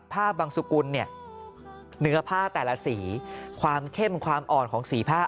บางสุกุลเนี่ยเนื้อผ้าแต่ละสีความเข้มความอ่อนของสีผ้า